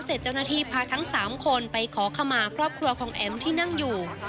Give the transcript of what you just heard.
เสร็จเจ้าหน้าที่พาทั้ง๓คนไปขอขมาครอบครัวของแอ๋มที่นั่งอยู่